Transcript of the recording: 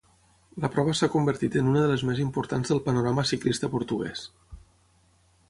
La prova s'ha convertit en una de les més importants del panorama ciclista portuguès.